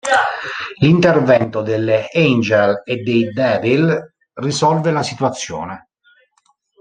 L'intervento delle Angel e dei Devil risolve la situazione.